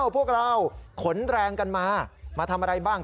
พวกเราขนแรงกันมามาทำอะไรบ้าง